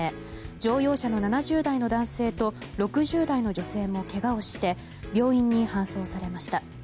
乗用車の７０代の男性と６０代の女性もけがをして病院に搬送されました。